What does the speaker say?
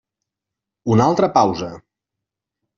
Una altra pausa.